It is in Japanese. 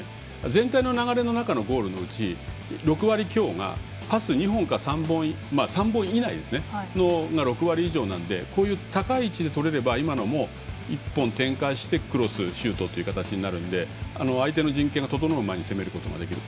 全体のゴールのうち６割強がパス２本か３本以内で６割以上なのでこういう高い位置でとれれば今のも一本、展開してクロスシュートという形になるんで相手の陣形が整う前に攻めることもできる。